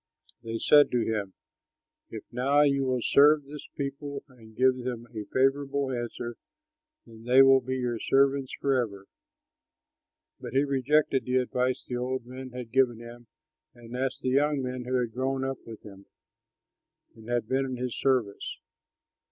They said to him, "If now you will serve this people and give them a favorable answer, then they will be your servants forever." But he rejected the advice which the old men had given him and asked the young men who had grown up with him and had been in his service.